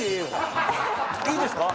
いいですか？